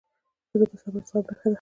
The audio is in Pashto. ښځه د صبر او زغم نښه ده.